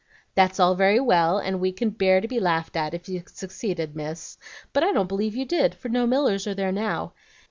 "That's all very well, and we can bear to be laughed at if you succeeded, Miss. But I don't believe you did, for no Millers are there now.